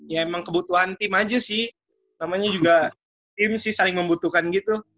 ya emang kebutuhan tim aja sih namanya juga tim sih saling membutuhkan gitu